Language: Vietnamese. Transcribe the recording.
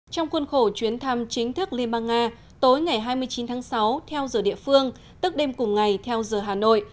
trong khuôn khổ chuyến thăm chính thức liên bang nga tối ngày hai mươi chín tháng sáu theo giờ địa phương tức đêm cùng ngày theo giờ hà nội